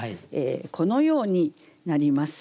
このようになります。